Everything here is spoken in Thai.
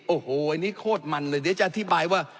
โอ้โหอันนี้โคตรมันเลยเดี๋ยวจะอธิบายว่า